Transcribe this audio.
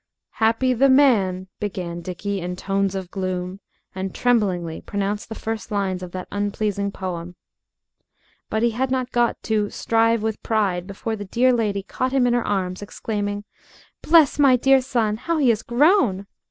"'Happy the man,'" began Dickie, in tones of gloom, and tremblingly pronounced the first lines of that unpleasing poem. But he had not got to "strive with pride" before the dear lady caught him in her arms, exclaiming, "Bless my dear son! how he has grown!"